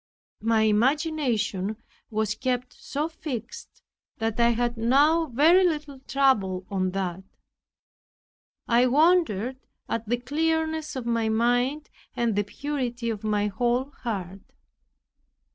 My imagination was kept so fixed, that I had now very little trouble on that. I wondered at the clearness of my mind and the purity of my whole heart.